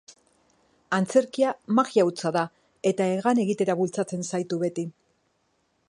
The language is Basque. Antzerkia magia hutsa da eta hegan egitera bultzatzen zaitu beti.